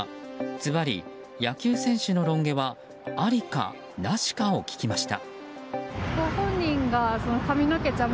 ずばり、野球選手のロン毛はありかなしかを聞きました。